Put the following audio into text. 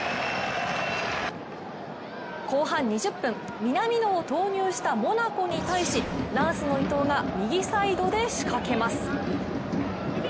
後半２０分、南野を投入したモナコに対しランスの伊東が右サイドで仕掛けます。